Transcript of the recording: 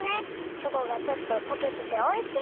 チョコがちょっととけてておいしい！